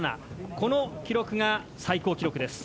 この記録が最高記録です。